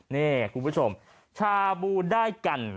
นี่คุณผู้ชมชาบูได้กัน